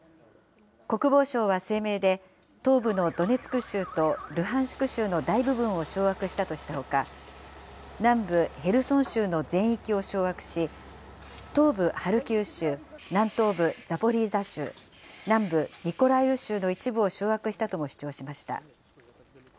国防省は声明で、東部のドネツク州とルハンシク州の大部分を掌握したとしたほか、南部ヘルソン州の全域を掌握し、東部ハルキウ州、南東部ザポリージャ州、南部ミコライウ州の一部を掌握したとも主張しました。